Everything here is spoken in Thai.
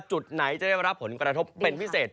จุดไหนจะได้รับผลกระทบเป็นพิเศษ